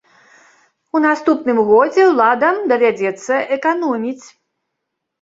У наступным годзе уладам давядзецца эканоміць.